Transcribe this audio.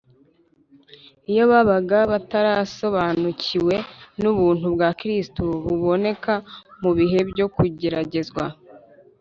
iyo babaga batarasobanukiwe n’ubuntu bwa kristo buboneka mu bihe byo kugeragezwa